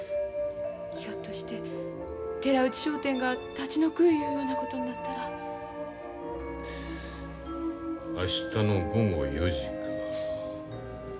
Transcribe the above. ひょっとして寺内商店が立ち退くいうようなことになったら。明日の午後４時か。